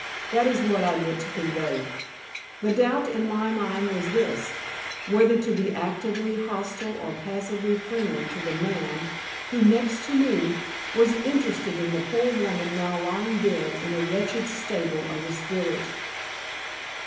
That is what I meant to convey. The doubt in my mind was this—whether to be actively hostile or passively friendly to the man who, next to me, was interested in the poor woman now lying dead in a wretched stable of this village."